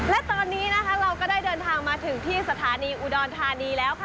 และตอนนี้นะคะเราก็ได้เดินทางมาถึงที่สถานีอุดรธานีแล้วค่ะ